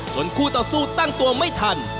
คู่ต่อสู้ตั้งตัวไม่ทัน